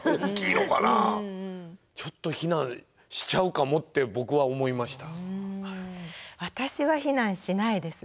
ちょっと避難しちゃうかもって僕は思いました。